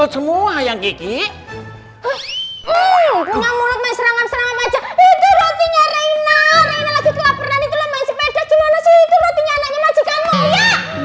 semua yang kiki punya mulut mesra mesra aja itu rotinya reina reina lagi kelaparan itu